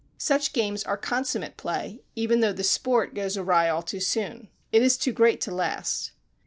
Such games are consummate play, even though the sport goes awry all too soon; it is too great to last!